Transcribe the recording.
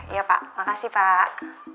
iya pak makasih pak